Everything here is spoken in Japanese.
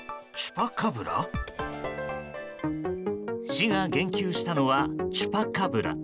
市が言及したのはチュパカブラ。